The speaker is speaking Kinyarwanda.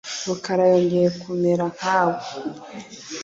Rukara yongeye kumera nka we.